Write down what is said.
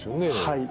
はい。